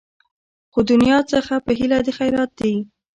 خو دنیا څخه په هیله د خیرات دي